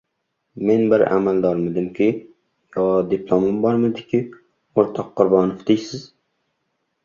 Men bir amaldormidimki, yo, diplomim bormidiki, o‘rtoq Qurbonov deysiz?